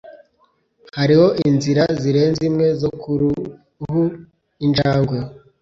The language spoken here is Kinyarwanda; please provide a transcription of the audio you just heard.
Hariho inzira zirenze imwe zo kuruhu injangwe.